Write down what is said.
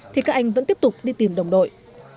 thì các anh vẫn tiếp tục đi tìm đồng đội